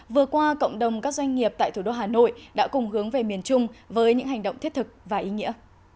vừa qua cộng đồng các doanh nghiệp tại thủ đô hà nội đã cùng hướng về miền trung với những hành động thiết thực và ý nghĩa